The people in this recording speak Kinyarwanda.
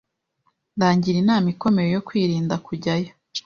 Ndagira inama ikomeye yo kwirinda kujyayo.